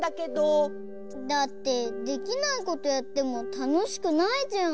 だってできないことやってもたのしくないじゃん。